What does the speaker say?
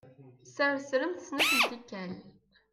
Ssersremt snat n tikkal.